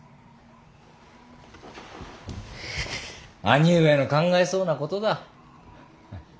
兄上の考えそうなことだ。